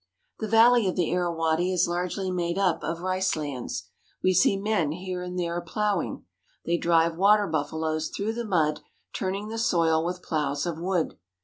The valley of the Irawadi is largely made up of rice lands. We see men here and there plowing. They drive water buffaloes through the mud, turning the soil with plows of wood.